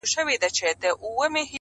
د ارغوان له خاطرو مي راوتلي عطر -